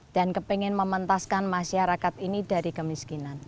dan kepingin mementaskan masyarakat ini dari kemiskinan